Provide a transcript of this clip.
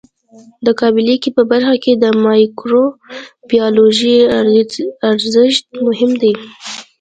د قابله ګۍ په برخه کې د مایکروبیولوژي ارزښت مهم دی.